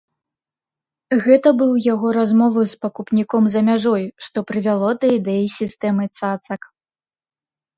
Гэта быў яго размову з пакупніком за мяжой, што прывяло да ідэі сістэмы цацак.